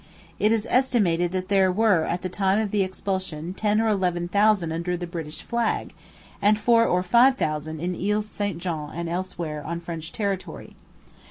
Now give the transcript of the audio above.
It is estimated that there were at the time of the expulsion ten or eleven thousand under the British flag, and four or five thousand in Ile St Jean and elsewhere on French territory.